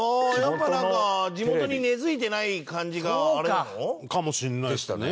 地元に根付いてない感じがあれなの？かもしれないですね。